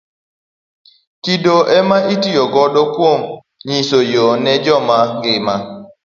Kido ema itiyo godo kuom nyiso yoo ne joma ngima.